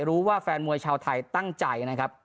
รู้ว่าแฟนมวยชาวไทยตั้งใจนะครับ